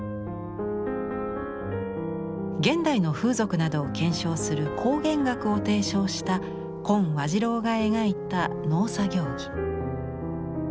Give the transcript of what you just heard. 現代の風俗などを検証する考現学を提唱した今和次郎が描いた農作業着。